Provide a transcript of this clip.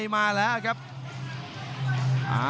กรรมการเตือนทั้งคู่ครับ๖๖กิโลกรัม